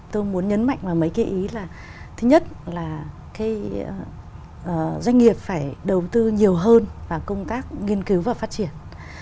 tôi muốn nhấn mạnh vào mấy cái ý là thứ nhất là cái doanh nghiệp phải đầu tư nhiều hơn vào công tác nghiên cứu và phát triển